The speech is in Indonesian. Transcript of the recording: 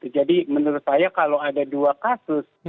jadi menurut saya kalau ada dua kasus